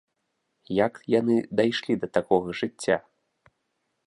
Як яны дайшлі да такога жыцця?